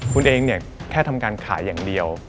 คุณเองเนี่ยแค่ทำการขายอย่างเดียว